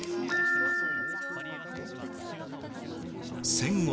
戦後